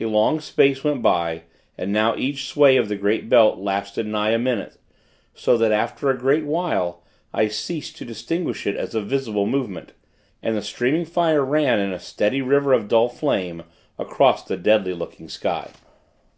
A long space went by, and now each sway of the great belt lasted nigh a minute; so that, after a great while, I ceased to distinguish it as a visible movement; and the streaming fire ran in a steady river of dull flame, across the deadly looking sky.